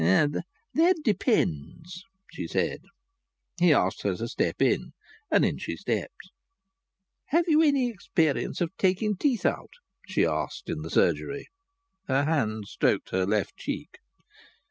"That depends," she said. He asked her to step in, and in she stepped. "Have you had any experience in taking teeth out?" she asked in the surgery. Her hand stroked her left cheek.